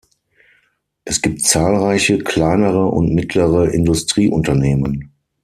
Es gibt zahlreiche kleinere und mittlere Industrieunternehmen.